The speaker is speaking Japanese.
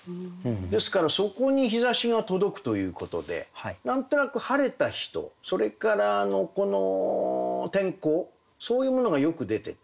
ですからそこに陽射しが届くということで何となく晴れた日とそれからこの天候そういうものがよく出てて。